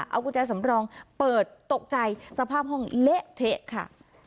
เอากุญแจสำรองเปิดตกใจสภาพห้องเละเทะค่ะ